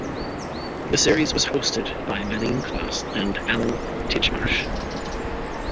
The series was hosted by Myleene Klass and Alan Titchmarsh.